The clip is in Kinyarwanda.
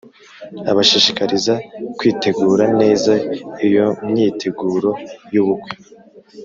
abashishikariza kwitegura neza iyomyiteguroyubukwe